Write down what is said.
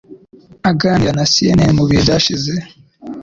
Aganira na CNN mu bihe byashize,